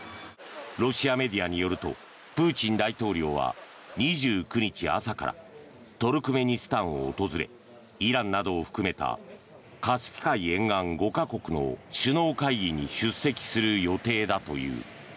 ロシアメディアによるとプーチン大統領は２９日朝からトルクメニスタンを訪れイランなどを含めたカスピ海沿岸５か国の首脳会議に出席する予定だという。